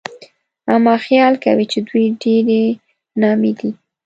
اما خيال کوي چې دوی ډېرې نامي دي